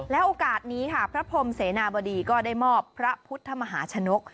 โอกาสนี้ค่ะพระพรมเสนาบดีก็ได้มอบพระพุทธมหาชนก